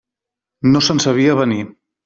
No se'n sabia avenir.